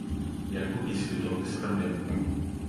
Як купіць квіток без праблем?